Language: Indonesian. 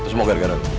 semoga gak ada